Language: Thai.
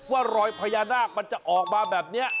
ว่ารอยพญานาคมันจะออกมาแบบนี้